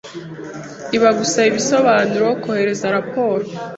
Iba gusaba ibisobanuro, kohereza raporo.